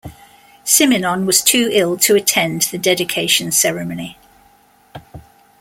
Simenon was too ill to attend the dedication ceremony.